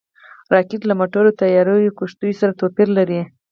راکټ له موټرو، طیارو او کښتیو سره توپیر لري